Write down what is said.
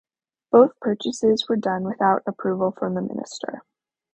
Both purchases were done without approval from the Minister.